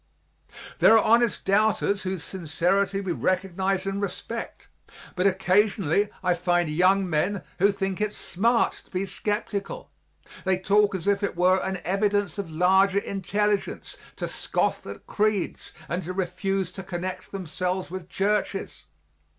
There are honest doubters whose sincerity we recognize and respect, but occasionally I find young men who think it smart to be skeptical; they talk as if it were an evidence of larger intelligence to scoff at creeds and to refuse to connect themselves with churches.